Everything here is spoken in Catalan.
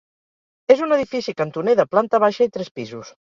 És un edifici cantoner de planta baixa i tres pisos.